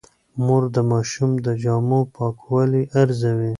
مور د ماشوم د جامو پاکوالی ارزوي.